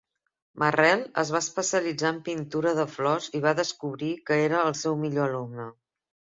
Marrel es va especialitzar en pintura de flors i va descobrir que era el seu millor alumne.